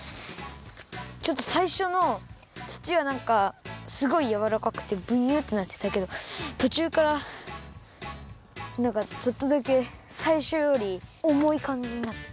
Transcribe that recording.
ちょっとさいしょのつちはなんかすごいやわらかくてブニュッてなってたけどとちゅうからなんかちょっとだけさいしょよりおもいかんじになった。